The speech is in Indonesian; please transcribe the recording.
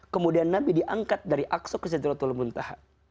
kemudian nabi diangkat dari aqsa ke siti ratul muntaha